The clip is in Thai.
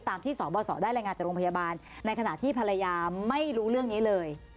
ตามที่สบสได้รายงานจากโรงพยาบาลในขณะที่ภรรยาไม่รู้เรื่องนี้เลย